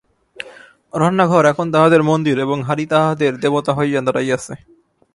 রান্নাঘর এখন তাহাদের মন্দির এবং হাঁড়ি তাহাদের দেবতা হইয়া দাঁড়াইয়াছে।